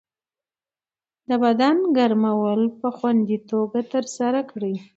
د بدن ګرمول په خوندي توګه ترسره کړئ.